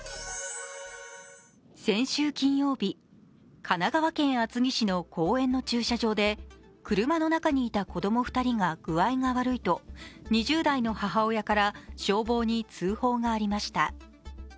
先週金曜日、神奈川県厚木市の公園の駐車場で車の中にいた子供２人が具合が悪いと２０代の母親から消防に通報がありました。